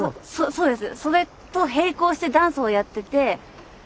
そうです。